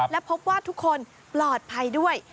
และพบว่าทุกคนปลอดภัยด้วย